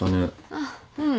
あっうん。